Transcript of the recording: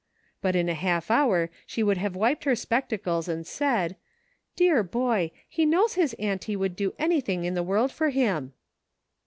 " but in a half hour she would have wiped her spectacles and said, " Dear boy ! he knows his aunty would do anything in the world for him."